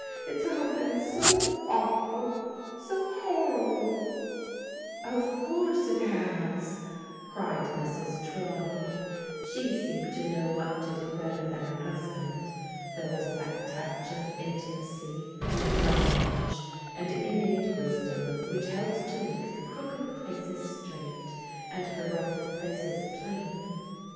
It's all been so awful, so horrible !"" Of course it has," cried Mrs. Trelawney. She seemed to know what to do better than her hus band. There was that touch of intimacy, knowledge, and innate wisdom which helps to make the crooked places straight, and the rough places plain.